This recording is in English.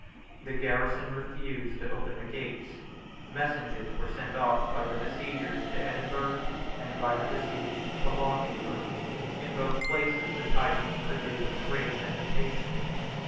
The garrison refused to open the gates. Messages were sent off by the besiegers to Edinburgh, and by the besieged to Lochaber, In both places the tidings produced great agitation.